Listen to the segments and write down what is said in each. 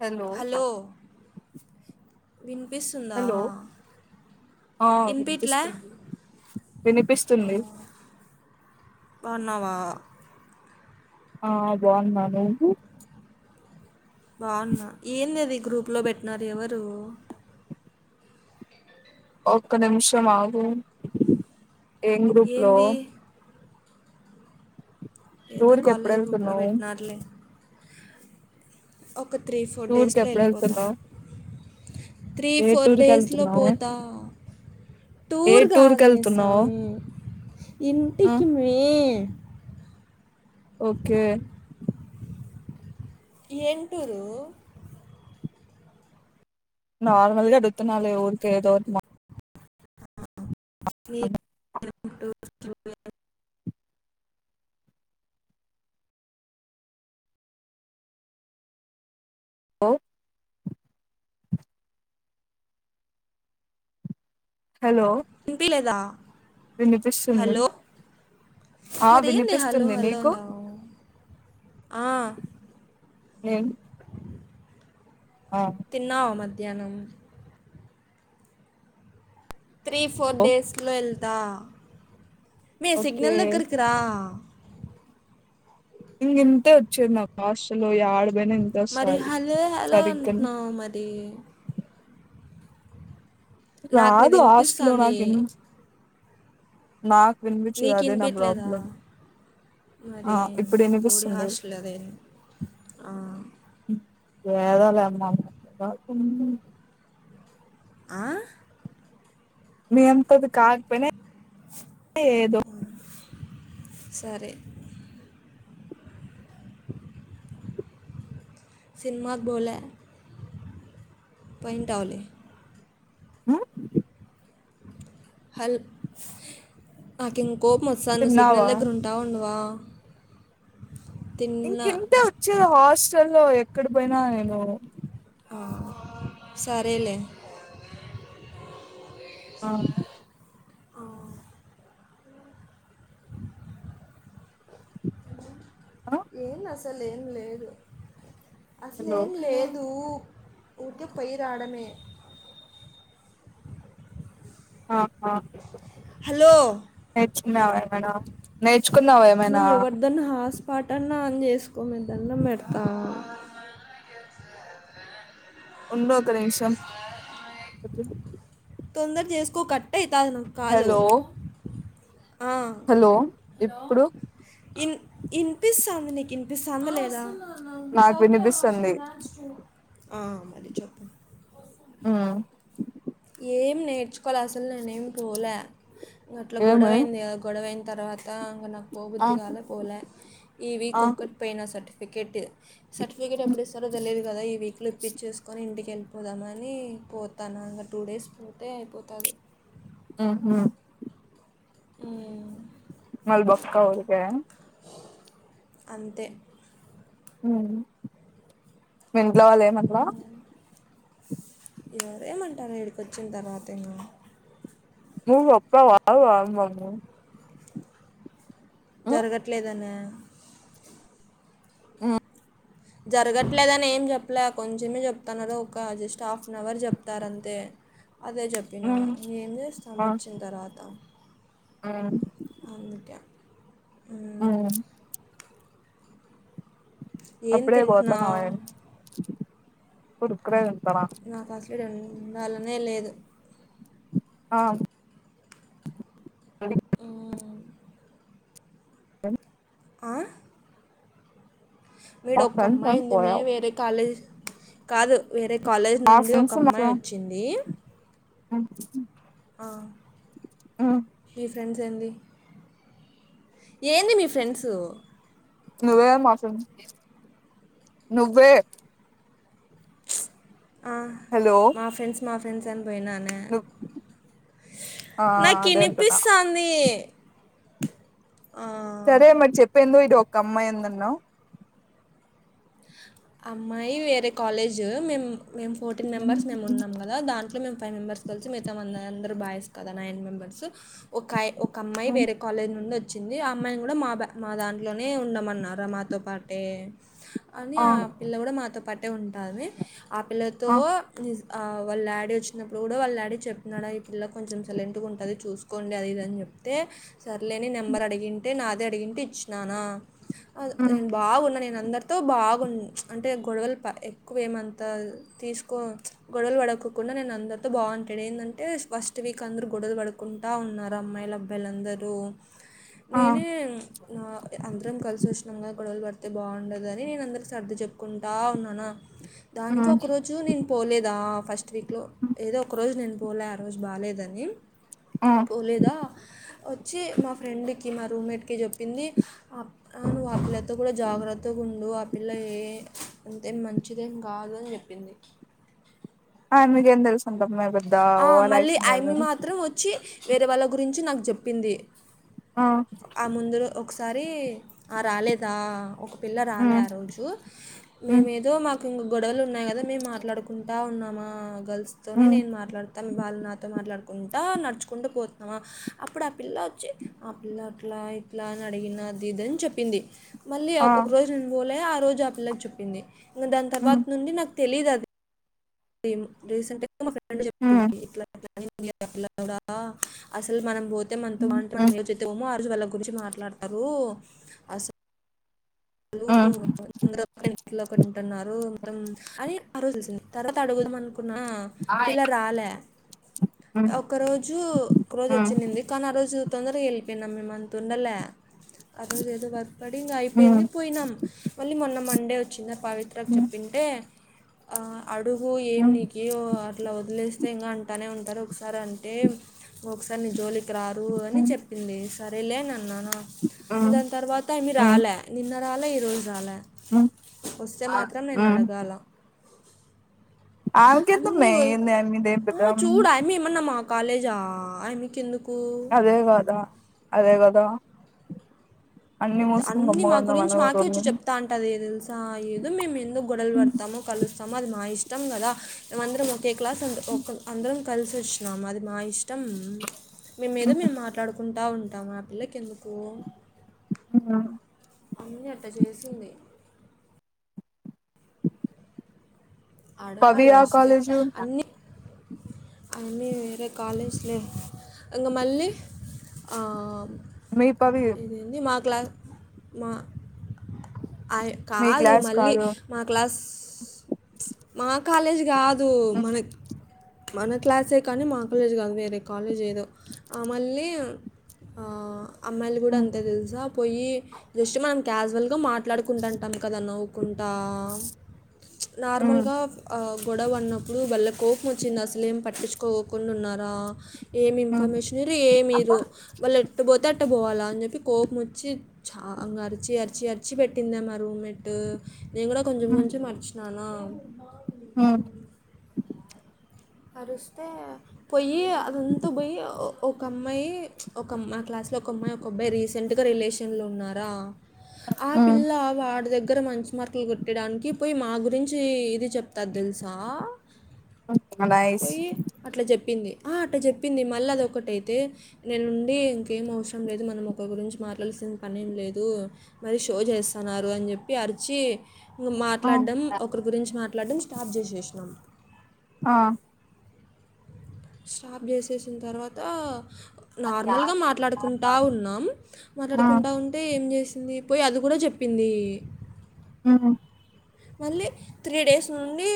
Hello వినిపిస్తుందా hello ఆ వినిపిట్లే వినిపిస్తుంది వినిపిస్తుంది బాన్నవా ఆ బాన్నా నువ్వు బాగున్నా ఏంది అది గ్రూప్లో పెట్టినారు ఎవరు ఒక్క నిమిషం ఆగు ఏం గ్రూప్ లో ఏంది ఏదో టూర్ కి ఎప్పుడు కాలేజీ గ్రూప్లో వెళ్తున్నావు పెట్టినార్లే ఒక త్రీ ఫోర్ టూర్ కి డేస్లో ఎప్పుడు ఎళ్ళిపోతా వెళ్తున్నావు త్రీ ఏ ఫోర్ టూర్ కి డేస్లో వెళ్తున్నావు పోతా ఏ టూర్ కి కాదు మే వెళ్తున్నావు సామి ఆ ఇంటికి మే ఓకే ఎం టూరు నార్మల్గా అడుగుతున్న లే ఉరికే ఏదో ఒకటి మా సి ట హలో హలో విన్పిలేద వినిపిస్తుంది ఆ మరి ఏంది హలో వినిపిస్తుంది హలో నీకు అన్నావు ఎం తిన్నావా మధ్యానం త్రీ ఫోర్ ఓ, డేస్లో వెళ్తా మే ఓకే సిగ్నల్ దగ్గరకి రా ఇంగింతే వచ్చేది నాకు హాస్టల్లో యాడ కి పోయిన ఇంతే మరి వస్తాది హలో హలో సరిగ్గా అంటున్నావు మరి నాకు నీది రాదు హాస్టల్లో వినిపిస్తుంది నాకి ఎ నాక్ వినిపించలా అదె నా ప్రాబ్లం ఆ మాది ఇప్పుడు బోడి వినిపిస్తుంది హాస్టల్ లెవే ఏదో లేమ్మ ఆ నీ అంతది కాకపోయిన ఏదో సరే సినిమాకు బోల పోయింటావు లే ఉ హల్ మాకిం కోపం వస్తాంది నువ్వు సిగ్నల్ తిన్నావా దగ్గర ఉంటావా ఉండవా తిన్నా ఇంకింతే వచ్చేది హాస్టల్ లో ఎక్కడ పోయినా నేను సరేలే ఆ ఆ, ఆ ఏం అసలే ఏం లేదు హలో అసలేం లేదు ఊరికే పోయ్ రాడమే అహ హలో నేర్చున్నావ ఏమైనా నేర్చుకున్నావ ఏమైనా పాటన్న ఆన్ చేసుకోని దానం పెడతా ఉండు ఒక నిమిషం తొందర చేసుకో కట్ట అవుతా కాలు హలో ఆ. హలో ఇప్పుడు ఇనిపిస్తుంది నీకు ఇనిపిస్తుంది లేదా నాకు వినిపిస్తుంది ఆ మళీ చెప్పు ఆ ఏం నేర్చుకోవాలి అసలు నేనే ఏమి పోలే అట్లా ఏమి గొడవైంది కదా గొడవై తర్వాత అం నాకు పో ఆ కొద్ధగాలే పోలే ఈ వీక్ ఆ ఒక్కటి పోయిన సర్టిఫికేట్ సర్టిఫికేట్ ఎప్పుడు ఇస్తారో తెలియదు కదా ఈ వీక్లో ఇప్పిచ్చేసుకొని ఇంటి వెళ్ళిపోదామని పోతానుక టూ డేస్ పోతే అయిపోతుంది ఆహా ఉ మల్ బస్క ఊర్గ అంతే మీ ఇంట్లో వాళ్లు ఏం అన్నారా ఎవరేమంటారా ఇడాకీ వచ్చిన తర్వాత ఏమో నువ్వు వస్తావా వావు మమ్ జరగట్లేదన్న ఆ జరగట్లేదని ఏం చెప్పలే కొంచెమే చెప్తున్నారుర ఒక జస్ట్ హాఫ్ అన్ అవర్ చెప్తారంతే అదే చెప్పినా ఉమ్ నేం చేస్తాం వచ్చిన తర్వాత ఆ అందుకే అ మ్మ్. ఏం అప్పుడే తింటున్నా పోతున్నావా అడాకీ నాకు అస్సలే ఇడా ఉండాలనే లేదు ఆ ఉ ఆ మీడు మా ఒక్క ఫ్రెండ్స్ అని అమ్మాయింది మే పోయావ్ వేరే కాలేజీ కాదు వేరే కాలేజ్ మా నుండి ఒక అమ్మాయి వచ్చింది అ ఆ మీ ఫ్రెండ్స్ ఏంది ఏంది మీ ఫ్రెండ్స్ నువ్వే మా ఫ్రెం నువ్వే హలో మా ఫ్రెండ్స్ మా ఫ్రెండ్స్ అని పోయినాను ను ఆ నాకు అదే అంటున్నా ఇనిపిస్తతది ఆ సరే మరి చెప్పు ఏందో ఇటు ఒక అమ్మాయి ఉంది అన్నావ్ అమ్మాయి వేరే కాలేజ్ మేము మే ఫోటీన్ మెంబర్స్ మేము ఉన్నా కదాంట్ మే ఫైవ్ మెంబర్స్ కలిసి మిగతా వంద బాయ్స్ కదా నైన్ మెంబర్స్ ఒక ఒక అమ్మాయి వేరే కాలేజ్ నుం వచ్చి వచ్చింది ఆ అమ్మాయిని కూడా మా బ మా దాంట్లోనే ఉండమన్నారా మాతో పాటే అని ఆ పిల్ల కూడా మాతో పట్టే ఉంటాంది ఆ పిల్లతో ఆ ని ఆ వాళ్ళ డాడీ వచ్చినప్పుడు కూడా వాళ్ళ డాడీ చెప్తున్నాడా ఈ పిల్ల కొంచెం సైలెంట్గా ఉంటది చూసుకోండి అది ఇదిని చెప్పి చెప్తే సర్లేని నెంబర్ అడిగింటే నాదే అడిగింటే ఇచ్చినానా అ ఉమ్ నేను బావున్నాను నేను అందరితో బావున్నా అంటే గొడవలు ప ఎక్కువేమంతా తీసుకో గొడవలు పడక్కకుండా నేను అందరితో బావుంటు ఇక్కడ ఏందంటే ఫస్ట్ వీక్ అందరు గొడలు పడుకుంట ఉన్నారు అమ్మాయిలు, అబ్బాయిల అందరూ ఆ నేనే నా అందరం కలిసి ఉష్ణంగా గొడవలు పడుతా తే బావుండదని నేను అందరికీ సర్ది చెప్పుకుంటా ఉన్నాన ఉమ్ దానికి ఒక రోజు నేను పోలేదా? ఫస్ట్ వీక్లో ఏదో ఒక రోజు నేను పోలే ఆ రోజు బాలేదని ఆ పోలేద వచ్చి మా ఫ్రెండ్ మా రూమ్మేట్కి చెప్పింది నువ్వు ఆ పిల్లలతో కూడా జాగ్రత్తగా ఉండు ఆ పిల్ల ఏ అంతే మంచిదేం కాదు అని చెప్పింది ఆ నీకు ఎం తెలుస్తుంది అతని మీద ఆ మళ్ళీ ఆయమి మాత్రం వచ్చి వేరే వాళ్ళ గురించి నాకు చెప్పింది ఆ ఆ ముందులో ఒ ఒకసారి ఆ రాలేదా ఒక పిల్ల రాలే ఉమ్ ఆ రోజు ఉమ్ మేమేదో మాకు కింగు గొడవలు ఉన్నాయి కదా మేము మాట్లాడుకుంటా ఉన్నామా గర్ల్స్ తోనే ఉమ్ నేను మా త వాళ్ళు నాతో మాట్లాడుకుంటా నడుచుకుంటూ పోతున్నావా అప్పుడు ఆ పిల్ల వచ్చి ఆ పిల్ల అట్లా అట్ల ఇట్లా అడిగినాది ఇదని చెప్పింది. మళ్ళీ ఆ ఒక రోజు నేను పోలే ఆ రోజు ఆ పిల్లకి చోప్పింది ఇంకా దాని తర్వాత ఉమ్ నుండి నాకు తెలిదు అది ఈమ్ రీసెంట్ మా ఫ్రెండ్ చెప్పింది ఉమ్ ఇట్లా కా అసలు మనం పోతే మనతో ఉమ్ ఆ రజుల్ల గురించి మాట్లాడతారు అస లు ఉమ్ అందర ఒక ఇంట్లో ఒకలు ఉంటున్నారు మం అది ఆ రోజు తెలిసింది. తర్వాత అడుగుదాంనుకున్న ఆయ్ పిల్ల రాలే ఉమ్ ఒక రోజు ఒక రోజు ఉమ్ వచ్చినింది కానీ ఆ రోజు తొందరగా వెళ్ళిపోయినాం మేమ అంత ఉండలే ఆ రోజు ఏదో వర్క్ పడి ఇంక ఉమ్ అయిపోయింది. పోయినాం మళ్ళీ మొన్న మండే వచ్చిందా పవిత్రకు ఉమ్ చెప్పింటే ఆ అడుగు ఏమి ఉమ్ నీకు అట్లా వదిలేస్తే ఇంకా అంటానే ఉం సరే ఒకసారి అంటే ఒకసారి నీ జోలికి రారు అని ఉమ్ చెప్పింది సరేలేన న్నానా ఉమ్ దాని తర్వాత అమి ఉమ్ రాలే నిన్న రాలే, ఈరోజు రాలే వస్తే మాత్రం నేను ఉమ్ అడగాల అన్నీ ఆమెకెందుమ్మే వోయి ఏంది మీదేం ఆ పెద్ద చూడు ఆయమ్మ ఏమన్నా మా కాలేజా అయమ్మి కెందు అదే కాదా అదే కదా అన్ని మూసుకుని అన్నీ మా గమ్ముగా ఉన్నాం గురించి అను మాకే వచ్చి చెప్తా అంటది తెలుసా ఏదో మేము ఎందుకు గొడలు పడతాము కలు స్తాము అది మా ఇష్టం కదా మేమందరం ఒకే క్లాస్ అ ఒక అందరం కలిసి వచ్చినాము అది మా ఇష్ త్తాం మేమేదో మేము మాట్లాడుకుంటూ ఉంటాము ఆ పిల్లకి ఎందుకు ఉన్నాను అన్ని అట్ట చేసింది. పవి అడగాళ్ల ఆ వస్తే కాలేజు అన్నీ అన్ని వేరే కాలేజ్లే అంగ మళ్ళీ ఆమ్ మీ పవి ఇదేంది మా క్లా మా అయి మీ కాదు క్లాస్ మళ్ళీ కాదు మా క్లాస్ మా కాలేజ్ గాదు మనక్ మన క్లాసే కానీ మా కాలేజ్ గాదు వేరే కాలేజ్ ఏదో ఆ మళ్ళీ ఆ అమ్మాయిలు గుడ ఉమ్ అంతే తెల్సా పోయి జస్ట్ మనం క్యాజువల్గా మాట్ ట్లాడుకుంటంటం కదా నవ్వుకుంటా ఉమ్ నార్మల్గా ఆ గొడవ అన్నప్పుడు బలే కోపమోచ్చింద్ అసలేం పట్టించుకోకుండున్నారా ఏం ఉమ్ ఇన్ఫర్మేషన్ ఈరు ఏమీరు వాళ్ళు ఎట్టు పోతే అట్ట పోవాలా అన్ జెప్పి కోపం వచ్చి చా అంగ అర్చి అర్చి అర్చి పెట్టిందే మా రూమ్మేట్ నేన్ గుడా కొంచం కొంచం అరిచి నానా మ్ అరుస్తే పొయ్యి అదంత పొయ్యి ఒ ఒక అమ్మాయి ఒక అమ్ క్లాస్లో ఒక అమ్మాయి ఒక అబ్బాయి రీసెంట్గా రిలేషన్లో ఉన్నారా ఆ ఉమ్ పిల్లా వాడి దగ్గర మంచి మార్కుల్ కొట్టేడానికి పొయి మా గురించీ ఇది చెప్తాద్ తెల్సా నైస్ పోయి అట్ల చెప్ ప్పింది ఆ అట్ట చెప్పింది మళ్ళ అదొకటైతే నేనుండి ఇంకేం అవసరం లేదు మనం ఒక గురించి మా మాట్లాడ్సిన్ పనేం ఏం లేదు మరీ షో చేస్తన్నారు అన్ జెప్పి అరిచీ ఇంగ ఆ మాట్లాడ్డం ఒకర్ గురించి మాట్లాడ్డం స్టాఫ్ చేసేసినం. ఆ స్టాప్ చేసేసిన్ తర్వాతా నార్మల్గా మాట్లాడ్కుంటా ఉన్నాం ఆ మాట్లాడుకుంటా ఉంటే ఏం చేసింది పోయి అది గుడా చెప్పిందీ మ్ మళ్ళీ త్రీ డేస్ నుండీ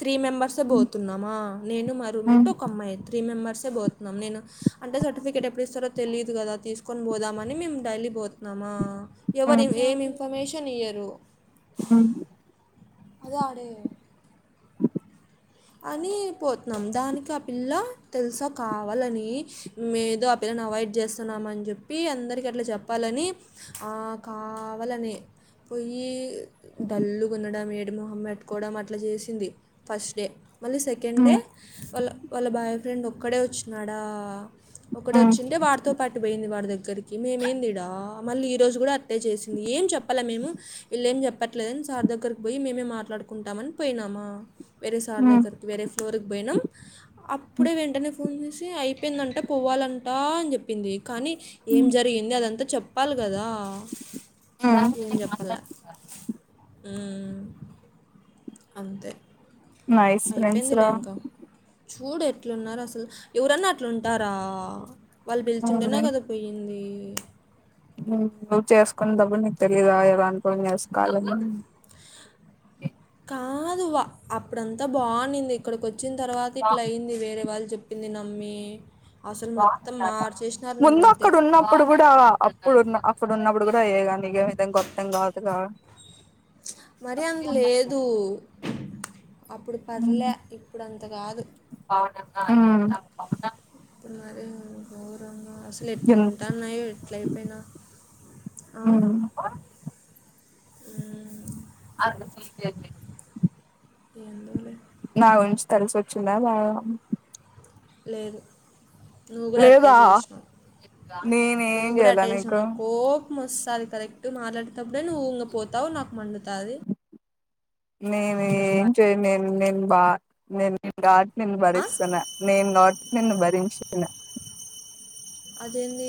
త్రీ మెంబర్సే బోతున్నామా నేను మా రూమ్మేట్ ఒక అమ్మాయి త్రీ మెంబర్స్ సే బోతున్నాం నేను అంటే సర్టిఫికేట్ ఎప్పుడ్ ఇస్తరో తెలీదు గదా తీస్కొన్ పోదామని మేము డైలీ పోతున్నమా ఎవరు ఏం ఇన్ఫర్మేషన్ ఇయ్యరు. అదాడే అని పోతున్నాం దానిక్ ఆ పిల్ల తెల్సా కావాలని మేదో ఆ పిల్ల అవాయిడ్ చేస్తున్నాం మన్ జెప్పి అందర్కి అట్ల చెప్పాలని ఆ కావాలనే పోయి డల్లు గుండడం ఏడుప్ మొహం పెట్టుకోవడం అట్ల చేసింది ఫస్ట్ డే మళ్ళీ సెకండే వాళ్ళ వాళ్ళ బాయ్ ఫ్రెండ్ ఒక్కడే వచ్చినాడా ఒక్కడే వచ్చింటే వాడితో పాటు పోయింది వాడి దగ్గర్కి మేమేందీడా ఆ మళ్ళీ ఈ రోజు గుడా అట్టే చేసింది ఏం చెప్పలే మేము విళ్లేం చెప్పట్లేదన్ సార్ దగ్గర్క్ పోయి మేమే మాట్లాడ్ కుంటామన్ పొయినామా వేరే సార్ దగ్గర్క్ వేరే ఫ్లోర్ పోయినం అప్పుడే వెంటనే ఫోన్ చేసి అయిపోయిందంట పోవాలంటా అన్ చెప్పింది కానీ ఏం జరిగింది అదంతా చెప్పాల్గ కదా ఆ మ్ అంతే నైస్ అయిపోయిందిలే ఫ్రెండ్స్రా ఇంకా చూడు ఎట్లున్నారో అసల్ ఎవరన్నా అట్లుంటారా..... వాళ్ పిల్చుంటేనే కదా పోయిందీ. నువ్ చేసుకున్ తపుడ్ నీక్ తెలీదా ఎలా అన్కోన్ చేస్కోవాలని కాదు వ అప్పుడంతా బాగునింది ఇక్కడ్కొచ్చిన్ తర్వాత ఇట్ల అయింది వేరే వాళ్ళు చెప్ ప్పింది నమ్మీ అసల్ మొత్తం మార్చే ముందు అక్కడ ఉన్నప్పుడు కూడా అప్పుడున్న అక్కడ ఉన్నప్పుడు కూడా అయ్యేగానీ ఏ విధం గొత్తెం కాదు కదా మరి అంత లేదు అప్పుడు పర్లే ఇప్పుడు అంత కాదు అవ్న ఇప్పుడు అసలు ఎట్లు ఉంటాన్నాయో ఎట్ల అయిపోయినా అది ే ఎందుకు లె నా గురించి తెలుసొచ్చిందా లేదా లేదు నువ్వు కూడా అట్టే లేదా చేసినావు నేనేం నువ్వు కూడా చేయాల అట్టా చేసావు నీకు నా కో మోస్సాది కరెక్ట్ మాట్లాడేతెప్పుడే నువ్వు ఇంగ పోతావు నాకు మండుతాది నేను ఏం చేయలేను నేను బా నేను నిన్ను బాగా భరిస్తున్న నేను కాబట్టి నిన్ను భరించిన అదేంది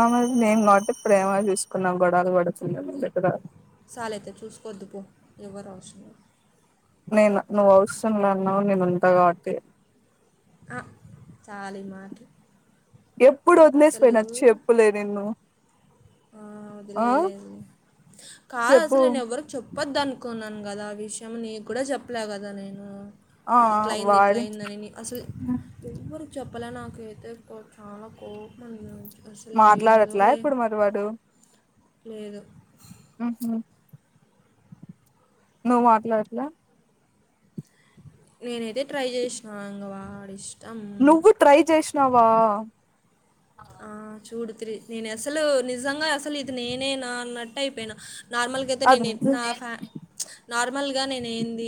ఆ మరి నేను కాబట్టి ఇప్పుడ ప్రేమగా చూసుకున్నా గొడవలు పడుతున్నా కూడ సాలయితే చూసుకొద్దు పో ఎవరు అవసరం లె నేను నువ్వు అవసరంల అన్నావు నేను ఉంటా కాబట్టి చాలి మాట ఎప్పుడు వదిలేసి అసలు పోయిన చెప్పులే నిన్ను ఆ అది ఆ లేలేదు కాదు చెప్పు అసలు నేను ఎవ్వరికి చెప్ చెప్పద్దనుకున్నాను కదా ఆ విషయం నీకు కూడా చెప్పలే కదా నేను ఆ ఇట్లా అయింది ఇట్లా వాడి అయిందనిని అసలు ప్పలా నాకైతే చాలా కోపం ఉంది మాట్లాడట్లా ఇప్పుడు మరి వాడు లేదు ఉహు నువ్ మాట్లాడట్ల నేనైతే ట్రై చేసినా ఇంగ వాడిష్ నువ్వు ట్రై చేసినావా ఆ చూడు త్రి నేను అసలు నిజంగా అసలు ఇది నేనే నా అన్నట్టు అయిపోయినా నార్మల్గా అయితే నేను అద్ నా ఫ్యా నార్మల్గా నేన్ ఏంది